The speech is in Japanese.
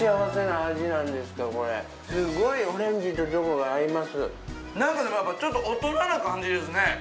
すごいオレンジとチョコが合いますなんかでもやっぱちょっと大人な感じですね